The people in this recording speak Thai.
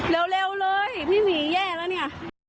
เร็วเลยพี่หวีแย่แล้วเนี่ย